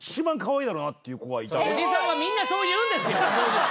おじさんはみんなそう言うんですよ！